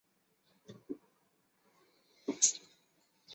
国防情报局为美国国防部辖下主要对外军事情报组织。